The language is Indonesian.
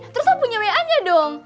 terus apa punya mayanya dong